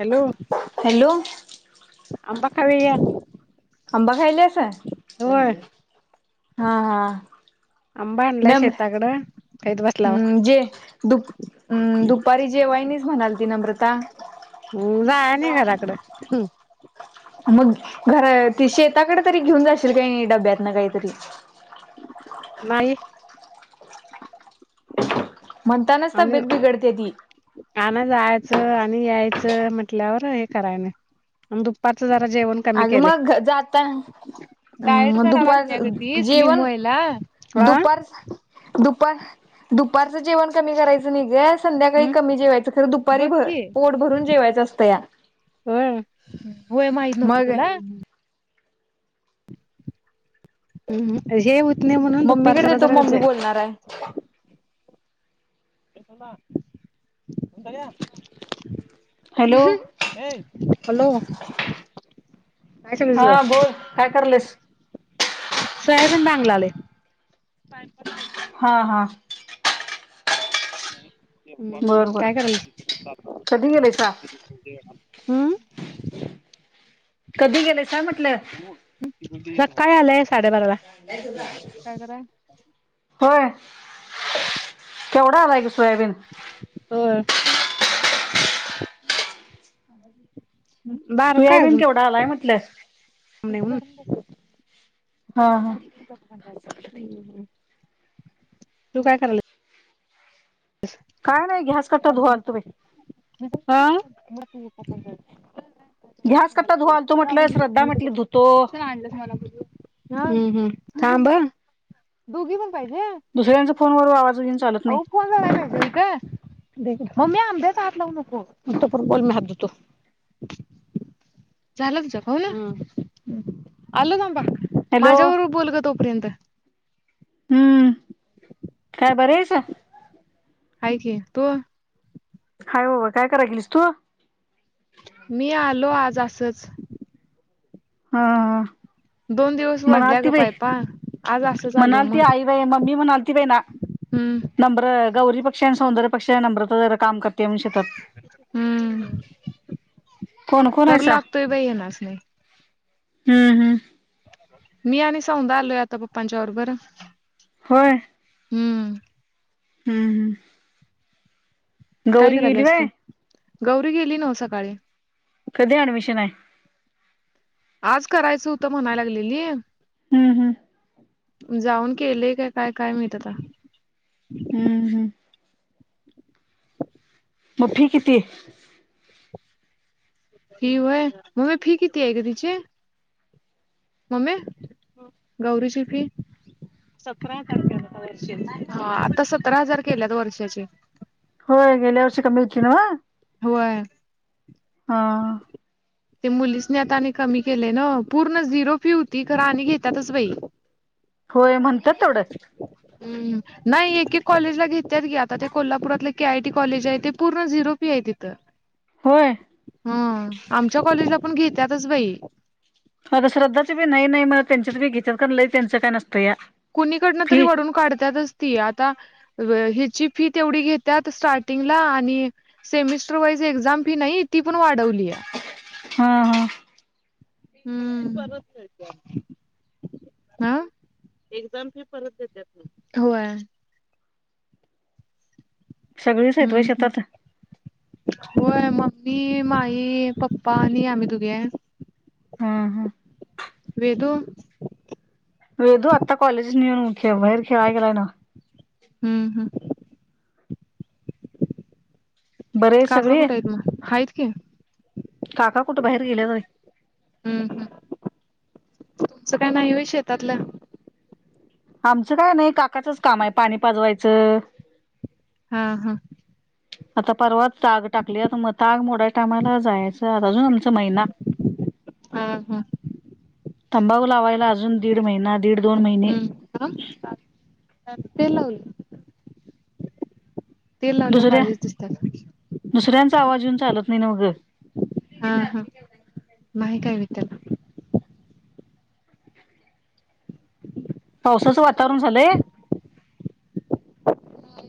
Hello hello अंबा खाऊया य. अंबा खायाल्यास? हा हा. आंबा आणलाय नम, शेताकडं खाईत बसलाव जे दु -दुपारी जेवायनईस म्हणालती नम्रता. हम्म जायाय नई घराकडं. मग घर ते शेताकडे तरी घेऊन जाशील काय नई, डब्यातन कायतरी. नाही. म्हणतानच आणि तब्येत बिघडत्या ती. च आणि यायच म्हटल्यावर हे कराय नई. आणि दुपारचं जात जेवण कमी अग केलय. मग जाता डायट मग करा लागत्या ग ती स्लीम व्हायला. हा दुपारचं दुपार, दुपार जेवण कमी करायचं नाही ग, संध्याकाळी हम्म कमी जेवायचं. खर दुपारी बघ की पोट भरून जेवायचं असतंया. होय होय माहित नव्हतं मग? तुला हम्म हम्म. हे हुतं नाही म्हणून दुपार मम्मीकडे जरा देतो जरा मम्मी बोलणार आहे जेव हॅलो [unintelligible] [inaudible] हे. हॅलो. काय करायलीस हा ग बोल, काय करल्यास? सोयाबीन बांगलालय [unintelligible] हां हां. नाही. हम्म बर बर काय करायल्यास? कधी गेलायसा [unintelligible] हम्म? कधी गेलेसा म्हटलं? सकाळी आलंय [unintelligible] साडे बाराला. काय कराय? होय केवढा आलाय गं सोयाबीन? [inaudible] बारका आहे सोयाबीन अजून केवढा आलाय म्हटलं? हा हा [inaudible] तु काय कराय ल्यास? काय नाही घ्यास कट्टा धुवालतो बाई [unintelligible] हां? [inaudible] गॅस कट्टा धुवालतो म्हटलं श्रद्धा म्हटली धुतो. आणलंस मला बोलू. हम्म हम्म थांब. दोघी पण पाहिजे? दुसऱ्यांच्या फोनवर आवाज घेऊन चालत नाही अहो फोन लावाय पाहिजे इथं? [unintelligible] मम्मी आंब्याच हात लावू नको [unintelligible] बोल मी हात धुतो. झालं तुझं कॉल? हां हम्म. आलो थांबा. हॅलो माझ्याबरोबर बोल गं तोपर्यंत हम्म काय बरी आहेस? हाय की तू? हाय बाबा काय कराय गेलीस तू? मी आलो आ ज असच. हां. दोन दिवस वढल्या गं पायपा. आज असंच आलो म्हणालती मग आई बाई मम्मी म्हणालती बाई ना हम्म नंबरं गौरीपेक्षा आणि सौंदर्यापेक्षा नम्रता जरा काम कर हम्म कोण कोण करू आहेसा लागतोय बाई ह्यानासनी. हम्म हम्म. मी आणि सौदा आलोय आता पपांच्या बरोबर. होय? हम्म. हम्म हम्म. काय गौरी गेली करल्यास व्हय तू? गौरी गेली नव्हं सकाळी. कधी अऍडमिशन आहे? आज करायचं हुतं म्हणाय लागलेली हम्म हम्म. जाऊन केलंय काय काय काय माहित आता. [inaudible] हम्म हम्म म फी किती? फी होय. मम्मी फी किती आहे गं तिची? मम्मे [unintelligible] गौरीची फी? सतरा हजार रूपये आहे बघ. ह्यावर्षी. हां आता सतरा हजार केलयात वर्षाचे. होय गेल्या वर्षी कमी होती नव्हं? होय हां. ते मुलीसनी आता आणि कमी केलंय ना पूर्ण झिरो फी होती खरं आणि घेत्यातच बाई. होय म्हणत्यात तेवढं. हम्म नाही एक एक कॉलेजला घेत्यात गी आता ते कोल्हापुरातलं के आय टी कॉलेज आहे ते पूर्ण झिरो फी आहे तिथं. होय हम्म आमच्या कॉलेजला पण घेत्यातच बाई. मग श्रद्धांच बी नाही, नाहीं म्हणत त्यांच्यात बी घेतात, कारण लई त्यांचं काही नत कुणीकडनं तरी वळून काढतातच ती आता. हिची फी तेवढी घेत स्टार्टिंगला आणि सेमिस्टर वाईज एक्झाम फी नाही ती पण वाढवली आहे. हा, हा. हम्म, ह एक्झाम फि. होय. सगळीच हाईत होय हम्म शेतात, होय मम्मी, माई, पप्पा आणि आम्ही दोघी हाय, हा हा वेदु. वेदु आता कॉलेजन येऊन खे बाहेर खेळाय गेलाय. ना! हम्म, हम्. बरे आहेत काका सगळी. कुठे आहेत मग आहेत की काका कुठे बाहेर गेल्या बाई. हम्म हम्म तुमचं काय व्हय नाही होय शेतातलं. आमचं काय नाही काकाचंच काम आहे. पाणी पाजवायचं, हा.. हा. आता परवा ताग टाकल्यात, मग ताग मोडायच्या टायमाला जायच. झाला जून आमचा महिना. हा हा तंबाकू लावायला. अजून दीड महिना दीड-दोन महिने, ह तेलावल, [unintelligible] दुसऱ्या दुसऱ्यांचा आवाज येऊन चालत नाही. नव्हं ग. कविताला. पावसाचं वातावरण झालंय. नाही.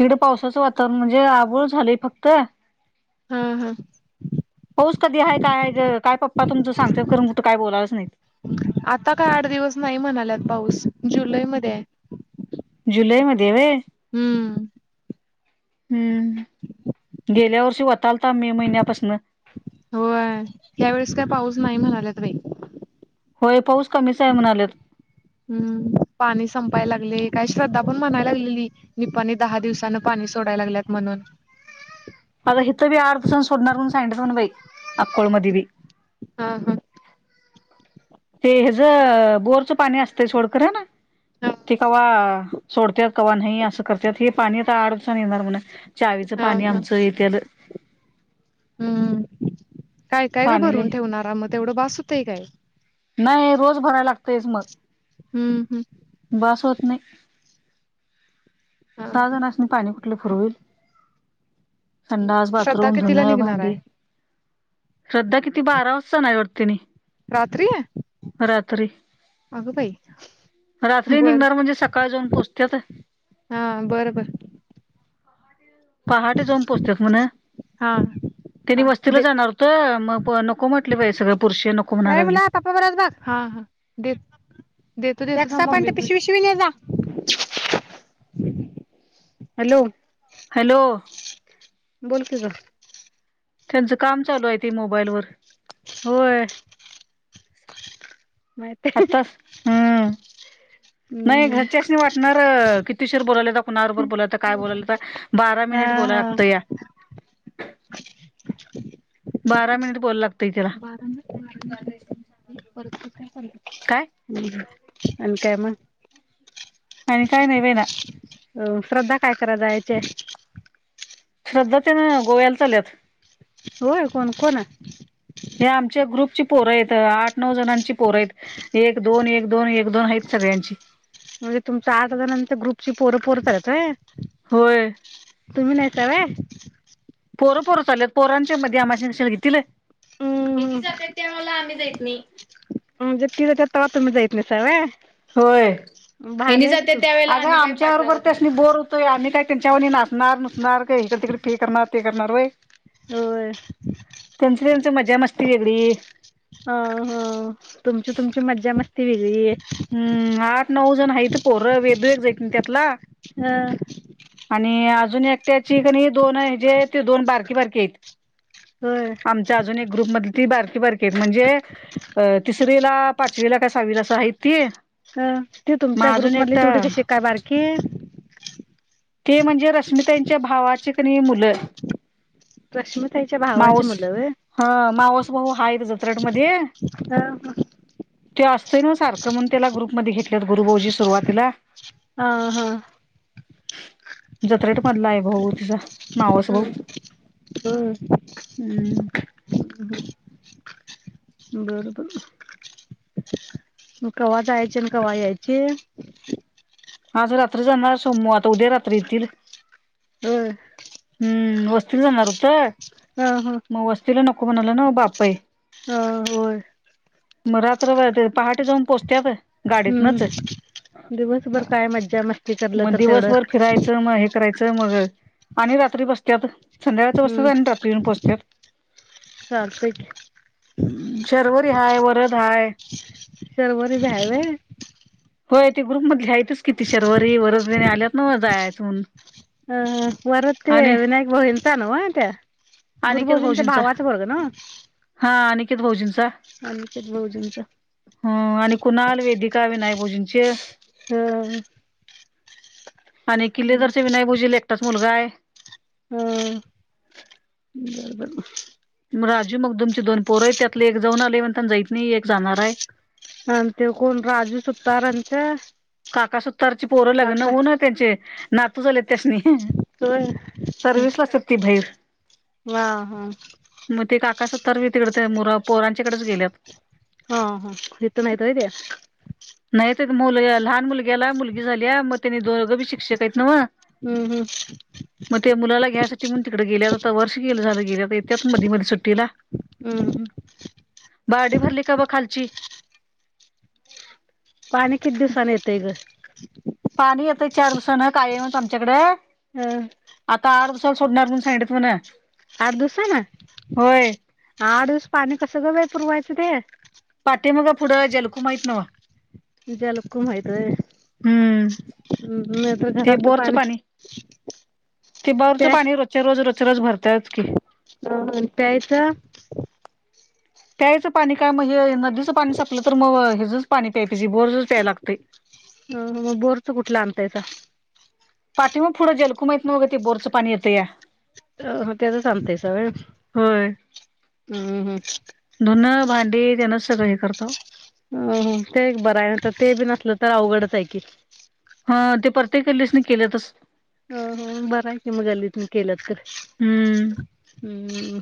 इकडं पावसाचं वातावरण म्हणजे, आबोळ झालंय फक्त. हा, हा. पाऊस कधी आहे. काय ग काय. तुमचं सांगत्यात खरं कुठं काय बोलायलाच नाहीत. आता काय आठ दिवस नाही, म्हणाल्यात पाऊस. जुलैमध्ये आहे. जुलै मध्ये वय. हम्म. हम्म गेल्या वर्षी वतालता. मे महिन्यापासनं. होय, ह्यावेेळेस काय पाऊस. नाही म्हणाल्यात बाई. होय पाऊस कमीच आहे म्हनाल्यात. हम्म पाणी संपाय लागलय काय श्रद्धा पण म्हणाय लागलेली. निपाणीत दहा दिवसन पाणी सोडायला लागल्यात म्हणून. अग हिथं बी आठ दिवसांनी सोडणार, म्हणून सोडणार म्हणून सांगितल्या म्हण बाई अक्कोळ मध्ये बी. हा. हा. ते हेज बोरचं पाणी असतंय सोडखरंन हा ते कवा सोडतात, कवा नाही, असं करत्यात हे पाणी आता आठदिवसानी येणार म्हण. चावीचं हा पाणी आमचं येत्याल. हम. काय काय ग पाणी लय भरून ठेवणारा आ मग तेवढं बस होतंय. काय? नाही रोज भरायला लागतच. मग हम्म, हम्म. बास होत नाही. हा सहा जनासनी पाणी कुठले फूरहोईल. खंडास, श्रद्धा बाथरूम, धुन, कितीला निघणार भांडी? आहे श्रद्धा किती बारा वाजताना जाणार आहेत वाटत तेनी. रात्री? रात्री अगं बाई रात्री बर निघणार म्हणजे सकाळ जाऊन पोचत्यात. हा बर, बर. पहाटे जाऊन पोचतात म्हण हा तेनि हा वस्तीला दे जाणार होत. मग नको म्हटले बाई सगळी पुरुष नको म्हणाय अय लागली. मुला पप्पा बरोबर बघ हा हा देत देतो देतो थांब मम्मी कड, एक्सा पानाची पिशवी न्हेजा. हॅलो? हॅलो. बोल की ग. त्यांचं काम चालू आहे ते मोबाईल वर! होय. माहित आत्ताच हम्म नाही. हम्म घरच्याच नाही. वाटणार किती उशीर बोलाल्याता, कुणा बरोबर बोलाल्याता, काय बोलाल्याता बारा हा मिनिट बोलाय हा लागत या! बारा मिनिट बोलाय लागत? बारावी-बारावी परत. काय अन त्यामध्ये. आणि काय नाही बाईना. अ श्रद्धा काय कराय जायची हाय. श्रद्धा तेन गोव्याला चालल्यात. होय कोण कोण? हे आमच्या ग्रुपची पोरं आहेत, आठ-नऊ जणांची पोरं आहेत, एक, दोन, एक, दोन, एक, दोन आहेत सगळ्यांची. म्हणजे तुमच आठ जनाची ग्रुपची पोरं पोरं चालल्यात होय? होय तुम्ही नाहीसा व्हय पोरं-पोरं चालल्यात पोरांनच्या. च्या मधी आम्हाला कशाला घेतील. हेनी हम्म जात्यात त्यावेळेला आम्ही जात नाही. असं हाय व्हय. होय हेनी भारी आहे जात्यात की तू त्या वेळीला! आग आमच्या बरोबर त्यासनी बोर होतोय आम्ही काय. त्यांच्या वाणी नाचत. नाचणार-नुसणार का इकड-तिकडे हे करणार ते करणार वय होय त्यांच‌ त्यांच्. मजा मस्ती वेगळी. अ, हो. तुमची तुमची मज्जा मस्ती वेगळी. आहे हम्म आठ नऊ जण हायीथ पोर, वेदू एक जाईत नाही त्यातला अ आणि आज अजून एकट्याची कणी दोन हाये जे ते, दोन बारकी बारकी हायेत. होय आमच्या अजून एक ग्रुप मधली ती बार ती बार की म्हणजे अ तिस रिला, पाचवीला का सावीला असं हायित. ती अ अ ती तुमच्या ग्रुप मधली तेवढी, कशी काय बारकी? ते म्हणजे रश्मि ताईंच्या भावाची कणी मुलं. रश्मिताईच्या भावाची माऊस, मुलं व्हय हा मावस भाऊ हाय जत्रट मध्ये अ तो असतोय ना, सारखं म्हणून त्याला ग्रुप मधे घेत त्यात गुरुभाऊजी सुरुवातीला हा हा. जत्रेट मधला हाय भाऊ तिचा, मावस भाऊ होय हम्. बर बर. मग कवा जायची अन् कवा यायची आज रात्री जाणार सोम, आता उद्या रात्री येतील. हम्म्. हम्म वस्तीला जाणार हुत. ह ह म वस्तीला न कोणाला नवं बापय. हा होय. मग रात्र भर, ते पहाटे जाऊन पोचत्यात. गाडीतनच हम्म दिवसभर काय मज्जा, मस्ती करलं तर तेवढं च मग आणि रात्री बसत्यात. संध्याकाळच हम्म बस्त्यात आणि रात्री यून पोचत्यात. चालतंय की शर्वरी हाय, वरद हाय. शर्वरी बी हाय व्हय व्हय ते ग्रुप मधली हायत. तीच कि ती शर्वरी वरद तेनी आल्यात नवं जायच म्हणून. अ वरद ते आणि विनायक भाऊ यांचा नव्ह त्या अनिकेत गुरुभाऊजींच्या भऊजींच, भावाचा पोरगं नव्ह हा अनिकेत भऊजींच. अनिकेत भाऊजींचा हम्म आणि कुणाल, वेदिका, विनायक भऊजींचे. हं. आणि किल्लेदारच्या विनायक भाऊजीला एकटाच मुलगाय. हा, हम्म. म राजू मगदूमची दोन पोर हायत, त्यातल एक जऊन आलय म्हणताना जईत नई एक जाणाराय. आणि ते कोण राजू सुतारांचा काका सुतारची पोरं लग्न काका होऊन त्यांचे, नातू झाले त्यासनी. होय सर्वीसला असत्यात ती भहीर. वा हा. मग ते काका सुतारबी तिकडे मुर पोरांच्याकडेच गेल्यात. हा हा. हित नाहीत होय ते. नाही तर मुल लहान मुल ग्याला, मुलगी झालीया मग त्यानी दोघ बी शिक्षक आहेत नव, हम्म हम्म. म ते मुलाला घ्यायसाठी म्हणून तिकड गेल्या, आता वर्ष गेल झाल गेल्यात, आता येत्यात. मधी मधी सुट्टीला, हम्म हम्म बारडी भरली का बघ खालची? सैपाक पाणी किती दिवसानी येतंय ग? पाणी येतंय चार दिवसान, कायमच आमच्याकड अ आता आठ दिव सान सोडणार म्हनुन सांगितलित म्हण. आठ दिवसान? होय. आठ दिवस पाणी कसं ग बाई! पुरवायचं ते. पाठीमागं पुढं जलखूम हाईत न्हव. जलकुंभ हाईत व्हय. हम्म हुं हुं. नाही तर, ते घरातलं बोरचं पाणी ते बोरच प्या पाणी, रोच्या रोज रोच्या रोज भरत्यातच की प्यायचं प्यायचं पाणी काय म्हजे? नदीचं पाणी सपलं तर, मग पाणी ते ह ह मग बोरचं कुठलं आणतायसा? पाठी माग पुढं जलकुम हायत नव्ह गं ते बोरचं पाणी येतं या. अ ते तर सांगतय सगळं होय. ह ह धुनं भांडी त्यानंच सगळं हे करताव. अ ते एक बरं आहे नाही तर ते बी न तर अवघडचं हाय कि. ह ते परतेक गल्लीसनी केल्यातचं. अ हो बर हाय म गल्लीतनं केल्यात, हम्म तर हम ह.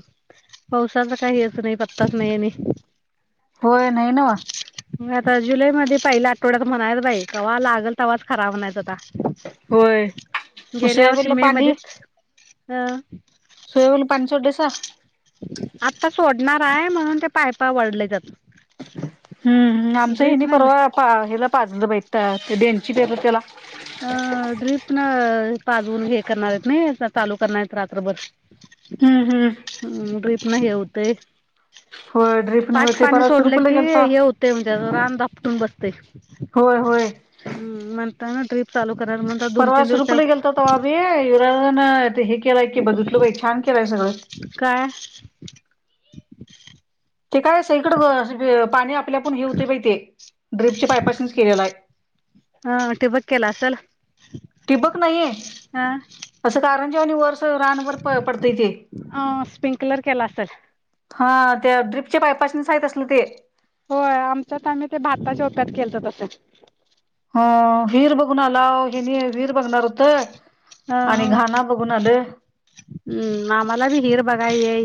पावसाच काही असं नाही पत्ताच नाही आणि होय नाही नव्ह. त जुलै मध्ये पहिल्या आठवड्यात म्हणाल्यत बाई कवा लागल तवा खरा म्हणायचा आता. होय, म सोयाबीनला पाणी हा अ. सोयाबीनला पाणी सोडलायसा? आता सोडणार हाय, म्हणून ते पायपा वढलयं त्यात. हम आमच हेनी न परवा हेला पाजलं बाई त्या [unintelligible] त्याला ह ड्रीप न पाजवून हे करणार आहेत नाही, चालू करणार आहेत रात्रभर. हम्म हम्म हम् म घरीच नाही हे होत. तेच होय ड्रीप नाही पाच ते पाण परवा सोडलं सुरूपला कि गेलता हे होते म्हणजे रान दापटून बसते. होय होय [inaudible] हम् म्हणताना चालव. परवा सुरुपली गेलतो तवा बी [unintelligible] ते हे केलाय की बघितलो बाई छान केलाय सगळं. काय ते काय सगळीकड पाणी आप आपल्या आपूण हेे होतय बाई ते ड्रीपच्या पाईपासनीच केलेल आहे. हा ठिबक केला असल? ठिबक नाही असं कारण त्यो आणि वर रानभर प पडतय ते. स्प्रिंकलर केला असेल [inaudible] हा त्या ड्रीपच्या पाई पप्पांसनी सांगितल असलं ते. होय आमच्यात आम्ही ते भाताच्या ओप्यात केलत तसं. ह हीर बघून आलाव. हेनी विहीर बघणार होत अ आणि हो घाणा बघून आलं. हम्म आम्हाला बी हिर बघाय ये